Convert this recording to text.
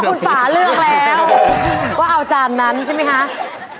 คุณป่าเลือกแล้วก็เอาจานนั้นใช่ไหมคะ